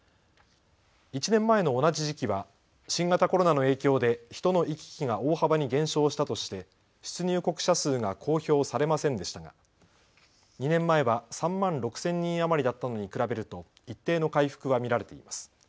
１年前の同じ時期は新型コロナの影響で人の行き来が大幅に減少したとして出入国者数が公表されませんでしたが２年前は３万６０００人余りだったのに比べると一定の回復は見られています。